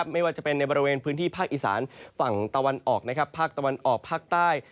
ไม่ว่าจะเป็นในบริเวณพื้นที่ภาคอีสานฝั่งตะวันออกภาคตะวันออกภาคใต้